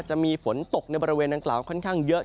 จะมีฝนตกในบริเวณดังกล่าวค่อนข้างเยอะ